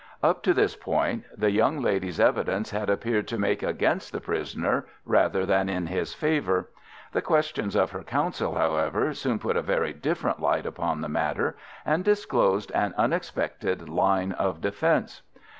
Up to this point the young lady's evidence had appeared to make against the prisoner rather than in his favour. The questions of her counsel, however, soon put a very different light upon the matter, and disclosed an unexpected line of defence.